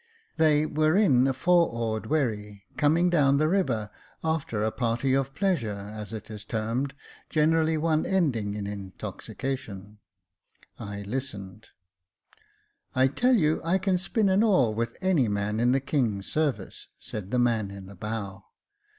They were in a four oared wherry, coming down the river, after a party of pleasure, as it is termed, generally one ending in intoxication. I listened. " I tell you I can spin an oar with any man in the king's service," said the man in the bow.